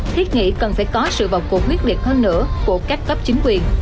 thiết nghị cần phải có sự vọc cuộc quyết liệt hơn nữa của các cấp chính quyền